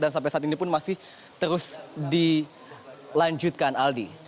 dan sampai saat ini pun masih terus dilanjutkan aldi